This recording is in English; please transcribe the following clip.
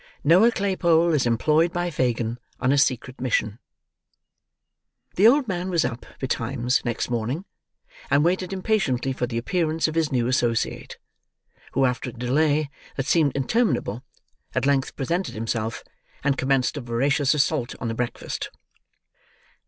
NOAH CLAYPOLE IS EMPLOYED BY FAGIN ON A SECRET MISSION The old man was up, betimes, next morning, and waited impatiently for the appearance of his new associate, who after a delay that seemed interminable, at length presented himself, and commenced a voracious assault on the breakfast.